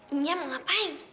ini ya mau ngapain